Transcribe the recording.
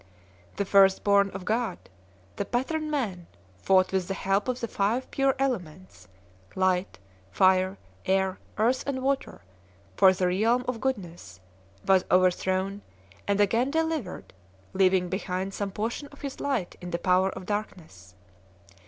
The first born of God, the pattern man, fought with the help of the five pure ele ments, light, fire, air, earth, and water, for the realm of goodness, was overthrown, and again delivered, leaving behind some portion of his light in the power of darkness.